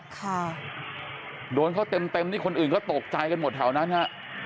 ค่ะโดนเขาเต็มเต็มนี่คนอื่นก็ตกใจกันหมดแถวนั้นฮะ